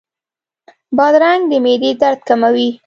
بادرنګ د معدې درد کموي.